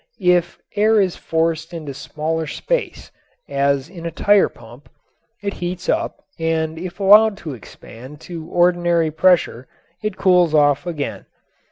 If air is forced into smaller space, as in a tire pump, it heats up and if allowed to expand to ordinary pressure it cools off again.